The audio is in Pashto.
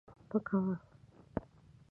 مه کوه